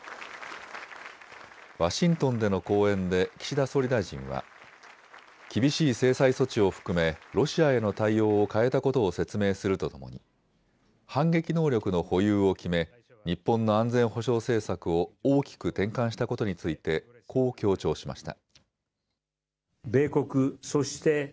ワシントンでの講演で岸田総理大臣は厳しい制裁措置を含めロシアへの対応を変えたことを説明するとともに反撃能力の保有を決め日本の安全保障政策を大きく転換したことについてこう強調しました。